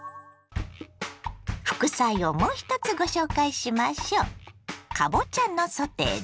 副菜をもう１つご紹介しましょう。